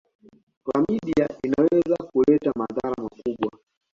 klamidia inaweza kuleta madhara makubwa